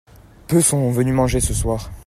Peu sont venus manger ce soir.